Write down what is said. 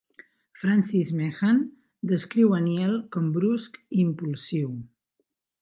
Francis Meehan descriu a Nyel com brusc i impulsiu.